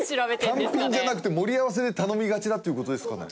単品じゃなくて盛り合わせで頼みがちだっていう事ですかね？